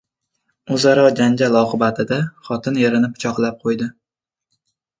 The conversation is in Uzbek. O‘zaro janjal oqibatida xotin erini pichoqlab qo‘ydi